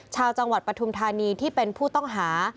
ชาวจังหวัดปฐุมธานีที่เป็นผู้ต้องหา